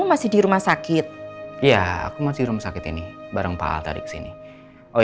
andi sebelum menikah dengan nino